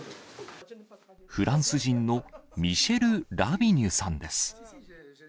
フランス人のミシェル・ラビニュさんです。